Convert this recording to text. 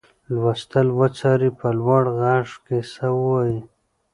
لوستل وڅاري په لوړ غږ کیسه ووايي.